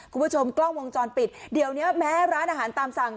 คุณผู้ชมกล้องวงจรปิดเดี๋ยวเนี้ยแม้ร้านอาหารตามสั่ง